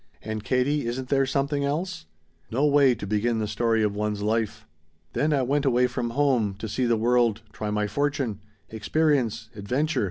And, Katie, isn't there something else? "No way to begin the story of one's life! "Then I went away from home. To see the world. Try my fortune. Experience. Adventure.